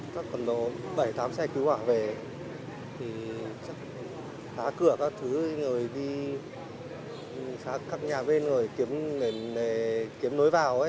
còn đó bảy tám xe cứu quả về xá cửa các thứ xá các nhà bên rồi kiếm nối vào